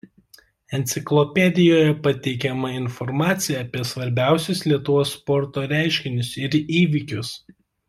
Enciklopedijoje pateikiama informacija apie svarbiausius Lietuvos sporto reiškinius ir įvykius.